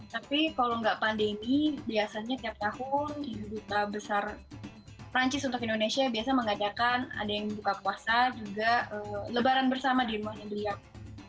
tapi kalau nggak pandemi biasanya tiap tahun ibu duta besar perancis untuk indonesia biasa mengadakan ada yang buka puasa juga lebaran bersama di rumahnya beliau